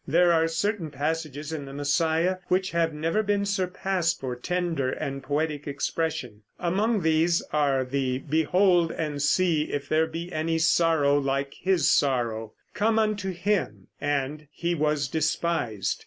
There are certain passages in the "Messiah" which have never been surpassed for tender and poetic expression. Among these are the "Behold and See if There Be Any Sorrow Like His Sorrow," "Come unto Him," and "He was Despised."